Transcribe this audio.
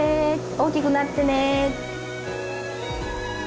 大きくなってね。